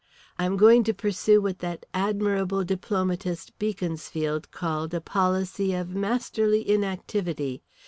"I am going to pursue what that admirable diplomatist Beaconsfield called a policy of masterly inactivity.